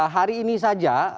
hari ini saja